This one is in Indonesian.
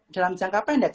dalam jangka pendek